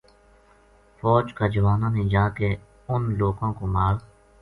فوج کا جواناں نے جا کے اُنھ لوکاں کو مال